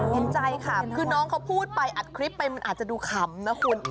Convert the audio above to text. เห็นใจค่ะคือน้องเขาพูดไปอัดคลิปไปมันอาจจะดูขำนะคุณ